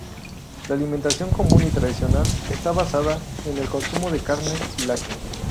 La alimentación común y tradicional está basada en el consumo de carne y lácteos.